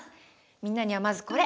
みんなにはまずこれ！